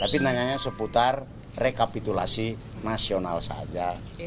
jadi pertanyaanya seputar rekapitulasi nasional saja